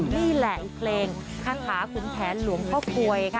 นี่แหละเพลงคาถาขุนแผนหลวงพ่อกลวยค่ะ